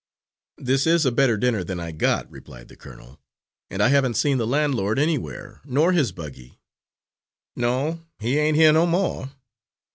"This is a better dinner than I got," replied the colonel, "and I haven't seen the landlord anywhere, nor his buggy." "No, he ain't here no more.